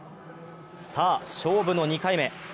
さあ、勝負の２回目。